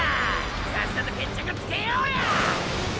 さっさと決着つけようや！